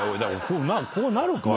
こうなるから。